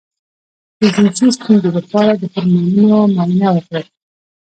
د جنسي ستونزې لپاره د هورمونونو معاینه وکړئ